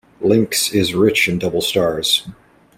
Lynx is rich in double stars.